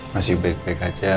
masih baik baik aja